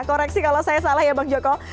koreksi kalau saya salah ya bang joko